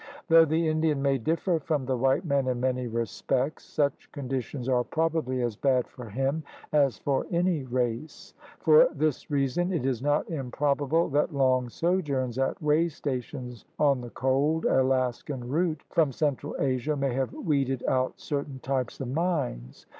Though the Indian may differ from the white man in many respects, such conditions are probably as bad for him as for any race. For this reason it is not improbable that long sojourns at way stations on the cold, Alaskan route from cen tral Asia may have weeded out certain types of minds.